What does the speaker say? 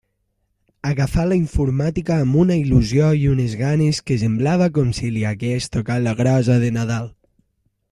Agafà la informàtica amb una il·lusió i unes ganes, que semblava com si li hagués tocat la grossa de Nadal.